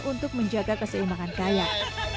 untuk menjaga keseimbangan kayak